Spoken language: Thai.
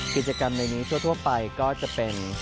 กิจกรรมในนี้ทั่วไปก็จะเป็น